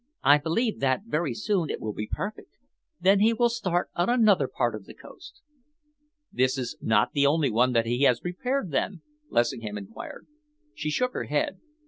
I believe that very soon it will be perfect. Then he will start on another part of the coast." "This is not the only one that he has prepared, then?" Lessingham enquired. She shook her head.